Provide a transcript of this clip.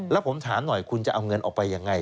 แล้วผมถามหน่อยคุณจะเอาเงินออกไปยังไง